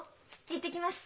行ってきます。